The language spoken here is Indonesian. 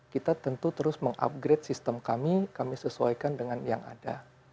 kita tentu terus mengupgrade sistem kami kami sesuaikan dengan yang ada